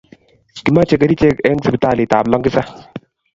kimache kerichek en sipitaliab longisa